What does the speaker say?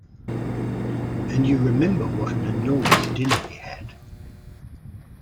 And you remember what an enormous dinner he had.